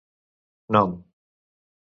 Nom